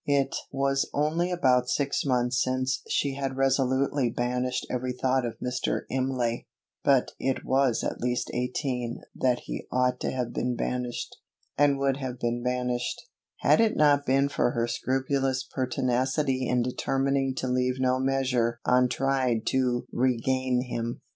It was only about six months since she had resolutely banished every thought of Mr. Imlay; but it was at least eighteen that he ought to have been banished, and would have been banished, had it not been for her scrupulous pertinacity in determining to leave no measure untried to regain him.